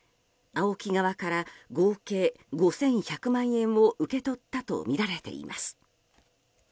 ＡＯＫＩ側から合計５１００万円を受け取ったとみられています。